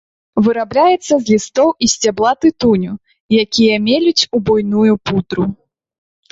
Вырабляецца з лістоў і сцябла тытуню, якія мелюць у буйную пудру.